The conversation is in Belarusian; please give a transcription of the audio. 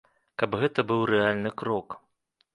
Каб гэта быў рэальны крок.